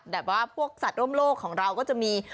แบบว่าพวกสัตว์ร่วมโลกของเราก็จะมี